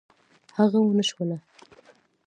هغه ونشوله.